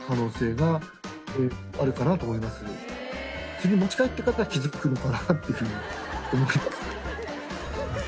巣に持ち帰ってから気付くのかなっていうふうに思います。